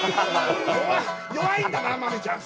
弱いんだな豆ちゃん